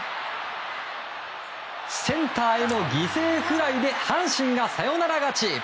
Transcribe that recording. センターへの犠牲フライで阪神がサヨナラ勝ち。